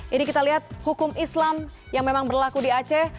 ini kita lihat hukum islam yang memang berlaku di aceh